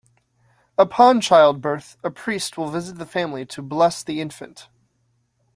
Upon childbirth, a priest will visit the family to bless the infant.